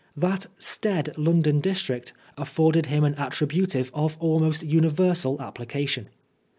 That staid London district afforded him an attri butive of almost universal application.